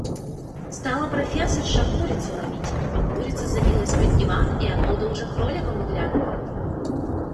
Стала профессорша курицу ловить, а курица забилась под диван и оттуда уже кроликом выглядывает.